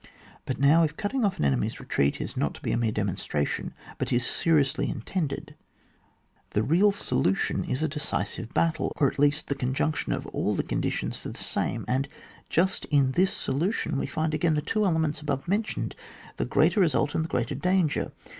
But now, if cutting off the enemy's retreat is not to be a mere demonstration, but is seriously intended, the real solu tion is a decisive battle, or, at least, the conjunction of all the conditions for the sante ; and just in this solution we And again the two elements above mentioned — the greater result and the greater dan ger.